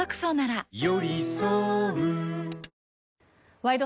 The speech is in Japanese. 「ワイド！